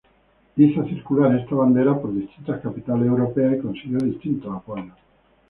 Él hizo circular esta bandera por distintas capitales europeas y consiguió distintos apoyos.